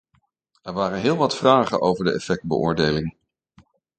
Er waren heel wat vragen over de effectbeoordeling.